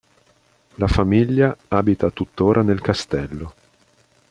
La famiglia abita tuttora nel castello.